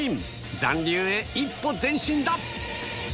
残留へ一歩前進だ。